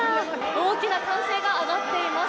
大きな歓声が上がっています。